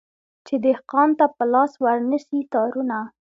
چي دهقان ته په لاس ورنه سي تارونه